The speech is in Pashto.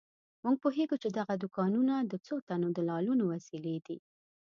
موږ پوهېږو چې دغه دوکانونه د څو تنو دلالانو وسیلې دي.